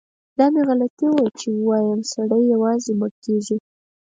دا مې غلطي وه چي ووایم سړی یوازې مړ کیږي.